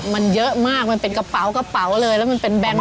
มันเยอะมากมันเป็นกระเป๋ากระเป๋าเลยแล้วมันเป็นแบงค์